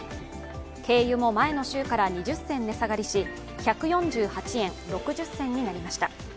軽油も前の週から２０銭値下がりし１４８円６０銭になりました。